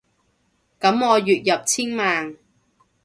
噉我月入千萬